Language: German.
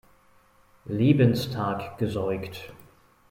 Lebenstag gesäugt.